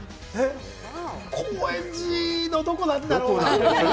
高円寺の、どこなんだろう？